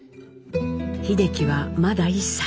秀樹はまだ１歳。